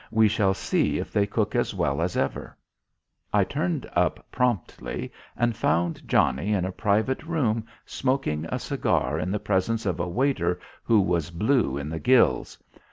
We shall see if they cook as well as ever." I turned up promptly and found Johnnie in a private room smoking a cigar in the presence of a waiter who was blue in the gills.